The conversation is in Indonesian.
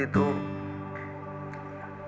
saat itu saya sedang kalut